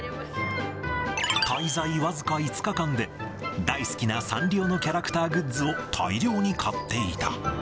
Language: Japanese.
滞在僅か５日間で、大好きなサンリオのキャラクターグッズを大量に買っていた。